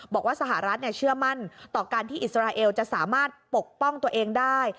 บอกว่าสหรัฐเชื่อมั่นต่อการที่อิสราเอลจะสามารถปกป้องตัวเองได้